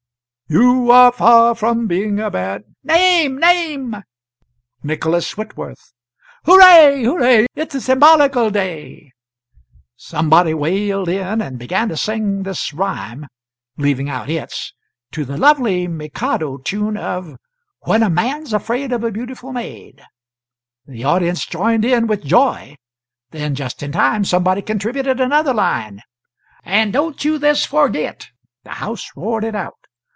"'You are far from being a bad '" "Name! name!" "'Nicholas Whitworth.'" "Hooray! hooray! it's a symbolical day!" Somebody wailed in, and began to sing this rhyme (leaving out "it's") to the lovely "Mikado" tune of "When a man's afraid of a beautiful maid;" the audience joined in, with joy; then, just in time, somebody contributed another line "And don't you this forget " The house roared it out.